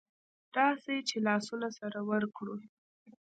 راسئ چي لاسونه سره ورکړو